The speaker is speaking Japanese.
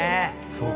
そうか。